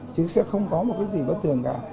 chứ sẽ không có một cái gì bất thường cả